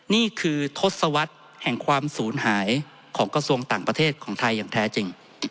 นี่คือทศวรรษแห่งความสูญหายของกระทรวงต่างประเทศของไทยอย่างแท้จริง